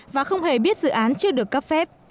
và không hề biết dự án chưa được cấp phép